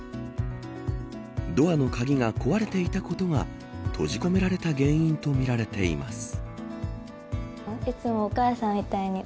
ドアの鍵が壊れていたことが閉じ込められた原因とみられています。